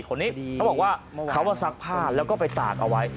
คนนี้เขาบอกว่าเขาซักผ้าแล้วก็ไปตากเอาไว้